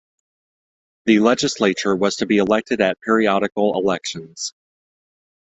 The legislature was to be elected at periodical elections.